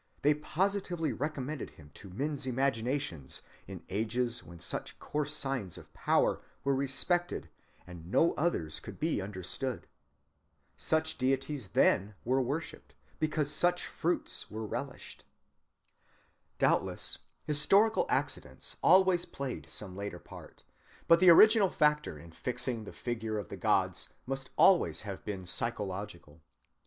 They positively recommended him to men's imaginations in ages when such coarse signs of power were respected and no others could be understood. Such deities then were worshiped because such fruits were relished. Doubtless historic accidents always played some later part, but the original factor in fixing the figure of the gods must always have been psychological.